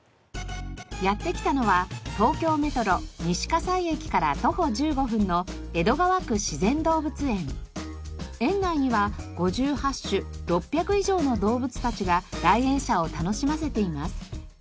やって来たのは東京メトロ西西駅から徒歩１５分の園内には５８種６００以上の動物たちが来園者を楽しませています。